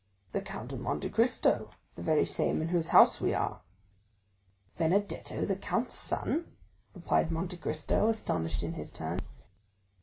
"The Count of Monte Cristo, the very same in whose house we are." "Benedetto the count's son?" replied Monte Cristo, astonished in his turn.